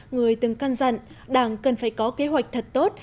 người từng căn dặn đảng cần phải có kế hoạch thật tốt